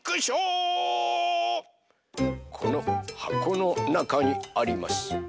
このはこのなかにあります